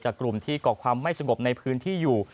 กลุ่มที่ก่อความไม่สงบในพื้นที่อยู่